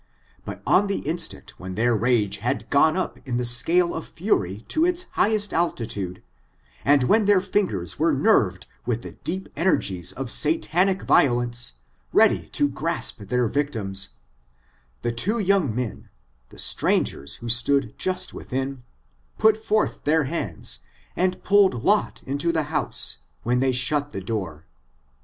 But on the instant when their rage had gone up in the scale of fury to its highest altitude, and when their fingers were nerved with the deep energies of sataruc violence, ready to grasp their victims, the two young men, the strangers who stood just within, pirt forth their hands, and pulled Lot into the house^ when they shut the door.